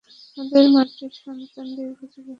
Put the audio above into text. আমাদের মাটির সন্তান দীর্ঘজীবী হোক।